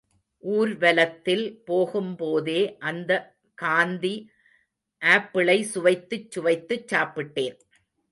ஊர்வலத்தில் போகும்போதே அந்த காந்தி ஆப்பிளை சுவைத்துச் சுவைத்துச் சாப்பிட்டேன்.